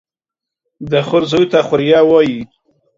د خور زوى ته خوريه وايي.